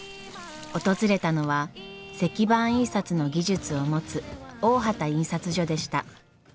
訪れたのは石版印刷の技術を持つ大畑印刷所でした。